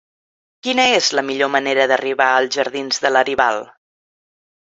Quina és la millor manera d'arribar als jardins de Laribal?